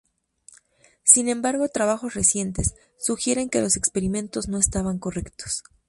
Sin embargo trabajos recientes, sugieren que los experimentos no estaban correctos.